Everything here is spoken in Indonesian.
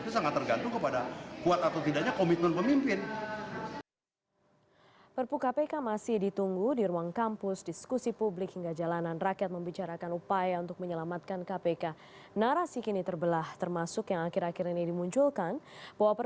sebaiknya presiden segera mengeluarkan prk mengeluarkan prk segera sesudah undang undang ini diundang